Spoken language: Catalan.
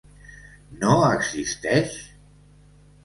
No existeix?